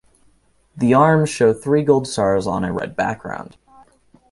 The arms show three gold stars on a red background.